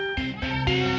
terima kasih bu